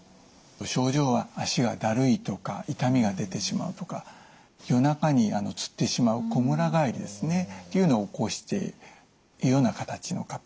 症状は脚がだるいとか痛みが出てしまうとか夜中につってしまうこむらがえりですねというのを起こしているような形の方。